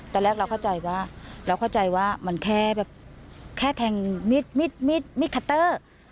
ตอนแรกเราเข้าใจว่ามันแค่แทงมีดมีดคัตเตอร์